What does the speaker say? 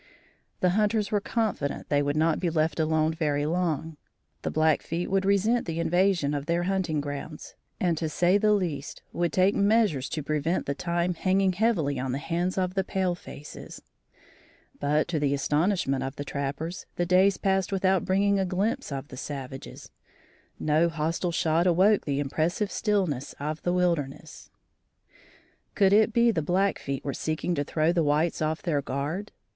The hunters were confident they would not be left alone very long. The Blackfeet would resent the invasion of their hunting grounds, and to say the least, would take measures to prevent the time hanging heavily on the hands of the pale faces. But, to the astonishment of the trappers, the days passed without bringing a glimpse of the savages. No hostile shot awoke the impressive stillness of the wilderness. Could it be the Blackfeet were seeking to throw the whites off their guard?